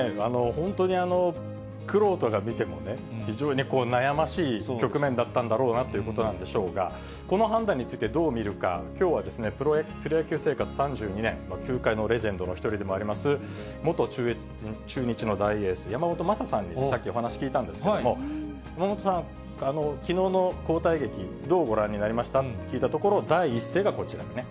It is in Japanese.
本当に玄人が見ても、非常に悩ましい局面だったんだろうなということなんでしょうが、この判断についてどう見るか、きょうは、プロ野球生活３２年、球界のレジェンドの一人でもあります、元中日の大エース、山本昌さんにさっきお話聞いたんですけれども、山本さんは、きのうの交代劇、どうご覧になりました？って聞いたところ、第一声がこちらでね。